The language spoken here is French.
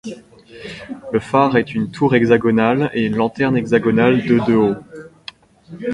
Le phare est une tour hexagonale et une lanterne hexagonale de de haut.